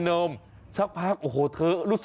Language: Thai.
อืมมมมมอร์ป